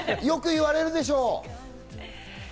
よく言われるでしょう？